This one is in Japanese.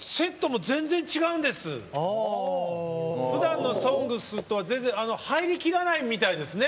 ふだんの「ＳＯＮＧＳ」とは全然入りきらないみたいですね